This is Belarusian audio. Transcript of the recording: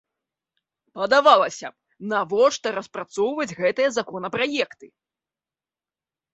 Падавалася б, навошта распрацоўваць гэтыя законапраекты?